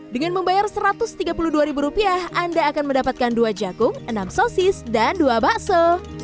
dengan membayar rp satu ratus tiga puluh dua anda akan mendapatkan dua jagung enam sosis dan dua bakso